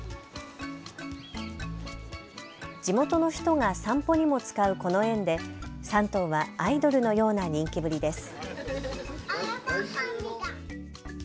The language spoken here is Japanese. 地元の人が散歩にも使うこの園で３頭はアイドルのような人気ぶりです。